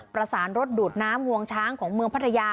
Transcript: ประสานรถดูดน้ำงวงช้างของเมืองพัทยา